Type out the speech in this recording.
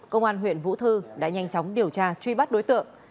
công an huyện vũ thư đã nhanh chóng điều tra truy bắt đối tượng